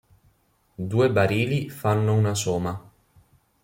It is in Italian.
Due barili fanno una soma.